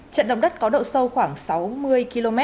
trận động đất có độ sâu khoảng sáu mươi km